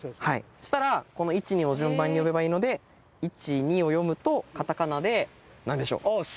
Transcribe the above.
そうしたらこの１・２を順番に読めばいいので１・２を読むとカタカナで何でしょう？